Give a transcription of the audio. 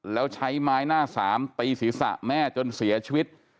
แล้วใช้ไม้หน้าสามตีศีรษะแม่จนเสียชีวิต